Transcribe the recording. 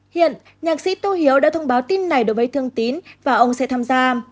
hiện nhạc sĩ tô hiếu đã thông báo tin này đối với thương tín và ông sẽ tham gia